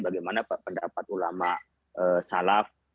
bagaimana pendapat ulama salaf